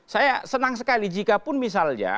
saya senang sekali jikapun misalnya